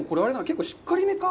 結構しっかり目か？